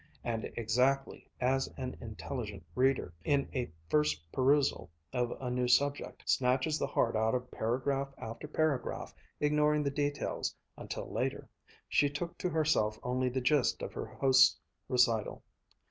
And exactly as an intelligent reader, in a first perusal of a new subject, snatches the heart out of paragraph after paragraph, ignoring the details until later, she took to herself only the gist of her host's recital.